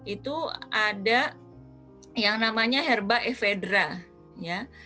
itu ada yang namanya herba ephedra